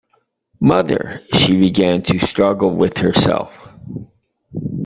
“Mother!” She began to struggle with herself.